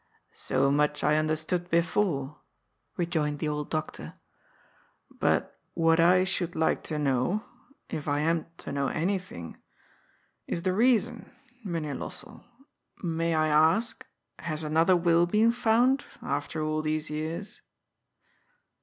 " So much I understood before," rejoined the old doctor, ALAS, POOR HUBERT! 375 " but what I should like to know — if I am to know any thing — is the reason, Mynheer Lossell. May I ask, has another will been found, after all these years?